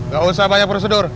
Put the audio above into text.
gak usah banyak prosedur